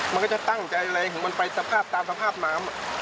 มันก็จะตั้งใจอะไรของมันไปสภาพตามสภาพน้ำ